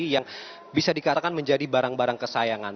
yang bisa dikatakan menjadi barang barang kesayangan